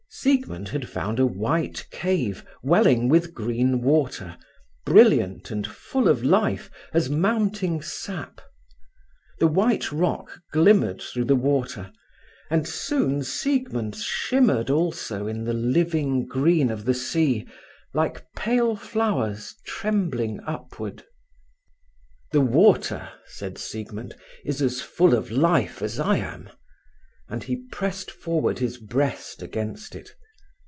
Siegmund had found a white cave welling with green water, brilliant and full of life as mounting sap. The white rock glimmered through the water, and soon Siegmund shimmered also in the living green of the sea, like pale flowers trembling upward. "The water," said Siegmund, "is as full of life as I am," and he pressed forward his breast against it.